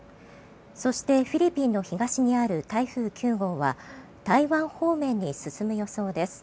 そしてフィリピンの東にある台風９号は台湾方面に進む予想です。